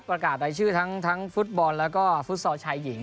ประกาศรายชื่อทั้งฟุตบอลแล้วก็ฟุตซอลชายหญิง